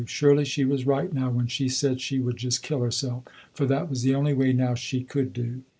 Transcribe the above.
Surely she was right now when she said she would just kill herself, for that was the only way now she could do.